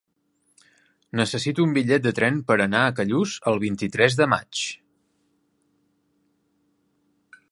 Necessito un bitllet de tren per anar a Callús el vint-i-tres de maig.